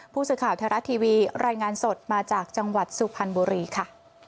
ผู้สื่อข่าวไทยรัฐทีวีรายงานสดมาจากจังหวัดสุพรรณบุรีค่ะ